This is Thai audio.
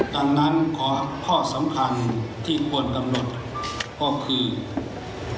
ถือว่าชีวิตที่ผ่านมายังมีความเสียหายแก่ตนและผู้อื่น